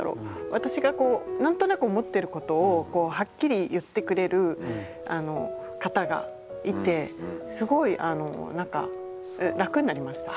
私がこう何となく思ってることをこうはっきり言ってくれる方がいてすごいあの何か楽になりました。